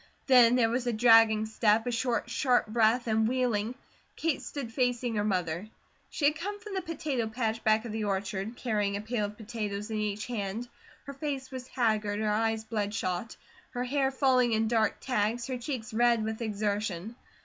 Then there was a dragging step, a short, sharp breath, and wheeling, Kate stood facing her mother. She had come from the potato patch back of the orchard, carrying a pail of potatoes in each hand. Her face was haggard, her eyes bloodshot, her hair falling in dark tags, her cheeks red with exertion.